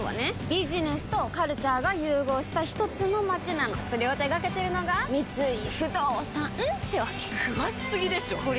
ビジネスとカルチャーが融合したひとつの街なのそれを手掛けてるのが三井不動産ってわけ詳しすぎでしょこりゃ